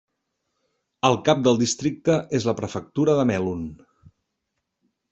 El cap del districte és la prefectura de Melun.